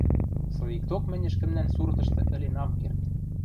Соикток мӹнь ӹшкӹмнӓн суртышты ӹлен ам керд.